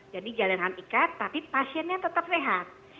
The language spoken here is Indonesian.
jadi jaringan ikat tapi pasiennya tetap sehat